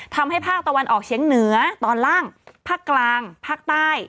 ภาคตะวันออกเฉียงเหนือตอนล่างภาคกลางภาคใต้